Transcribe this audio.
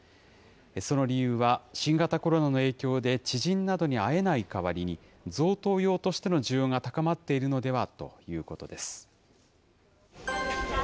その理由は、新型コロナの影響で知人などに会えない代わりに、贈答用としての需要が高まっているのではということです。